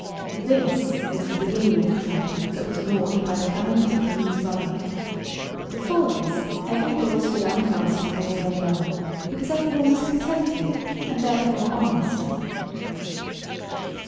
This was the beginning of the trouble that was wrought by the coming of the King's brother. Before this every door stood unfastened all day long, because every one was contented, and therefore honest.